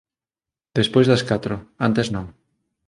Despois das catro, antes non